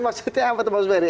maksudnya apa pak ferry